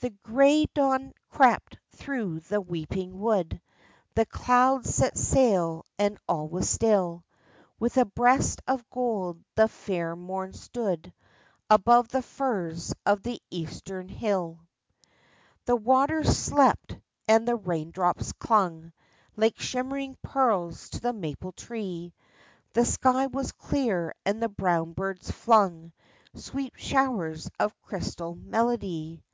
The gray dawn crept through the weeping wood, The clouds set sail and all was still ; With a breast of gold the fair morn stood Above the firs of the eastern hill. The waters slept and the raindrops clung Like shimmering pearls to the maple tree ; The sky was clear and the brown birds flung Sweet showers of crystal melody.